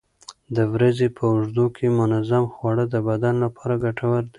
د ورځې په اوږدو کې منظم خواړه د بدن لپاره ګټور دي.